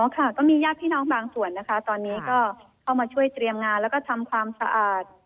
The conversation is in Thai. ค่ะก็มีญาติพี่น้องบางส่วนนะคะตอนนี้ก็เข้ามาช่วยเตรียมงานแล้วก็ทำความสะอาด